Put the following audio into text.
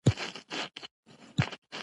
شخصي ضمیر باید له هېڅ مرجع سره تړاو ونلري.